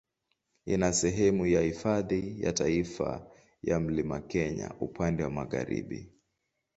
Ina sehemu ya Hifadhi ya Taifa ya Mlima Kenya upande wa magharibi.